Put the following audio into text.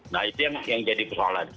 nah itu yang jadi persoalan